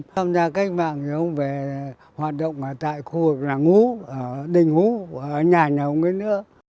tham gia cách mạng thì ông về hoạt động tại khu vực đảng hú đỉnh hú nhà nhà ông ấy nữa